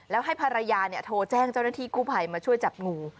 แล้วให้ภรรยาโทรแจ้งเจ้าหน้าที่กู้ภัยมาช่วยจับงู